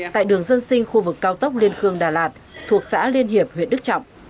tại đường dân sinh khu vực cao tốc liên khương đà lạt thuộc xã liên hiệp huyện đức trọng